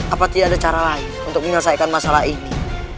apa tidak ada cara lain untuk menyelesaikan masalah ini